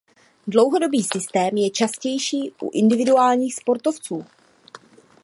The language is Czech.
Dlouhodobý systém je častější u individuálních sportů.